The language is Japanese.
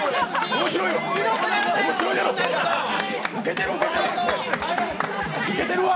面白いわ！